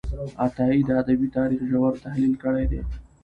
عطايي د ادبي تاریخ ژور تحلیل کړی دی.